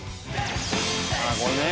「ああこれね」